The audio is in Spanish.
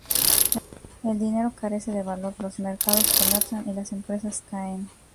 El dinero carece de valor, los mercados colapsan, y las empresas caen.